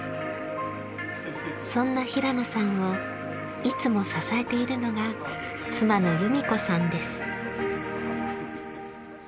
そんな平野さんをいつも支えているのが妻の由美子さんです。